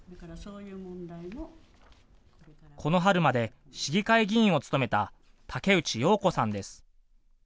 この春まで市議会議員を務めた竹内陽子さんです。